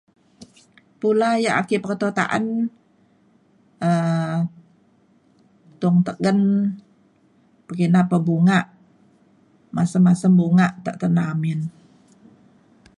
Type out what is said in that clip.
pula yak ake peketo ta’an um tung tegen pekina pa bungak masem masem bunga tak tena amin